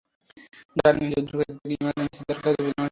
যা দিয়ে যুদ্ধক্ষেত্র থেকে ইমার্জেন্সি উদ্ধারকাজ বোঝানো হয়।